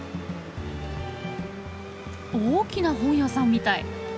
大きな本屋さんみたい。